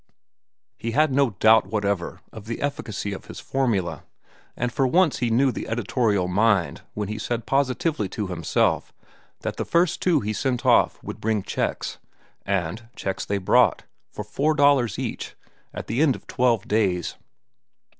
He had no doubt whatever of the efficacy of his formula, and for once he knew the editorial mind when he said positively to himself that the first two he sent off would bring checks. And checks they brought, for four dollars each, at the end of twelve days.